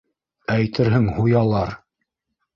Әйтерһең һуялар!